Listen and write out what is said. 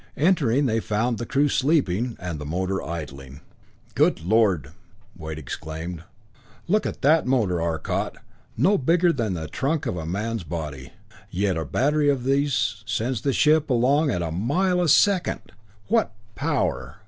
Entering, they found the crew sleeping, and the motor idling. "Good Lord!" Wade exclaimed. "Look at that motor, Arcot! No bigger than the trunk of a man's body. Yet a battery of these sends the ship along at a mile a second! What power!"